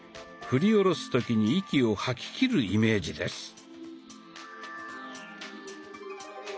振り下ろす時に息を吐ききるイメージです。